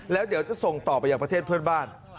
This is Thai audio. แล้วเดี๋ยวจะส่งต่อไปอย่างประเทศเพื่อนบ้าน